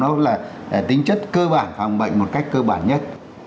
đó là tính chất cơ bản phòng bệnh một cách cơ bản nhất